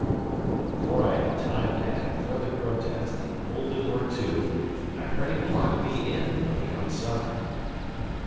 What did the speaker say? And before I had time to add a further protest, he pulled the door to, and I heard him lock me in from the outside.